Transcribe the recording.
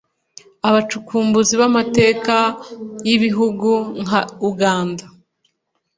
Abacukumbuzi b’amateka y’ibihugu nka Uganda